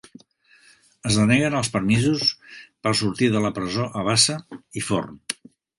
Es deneguen els permisos per sortir de la presó a Bassa i Forn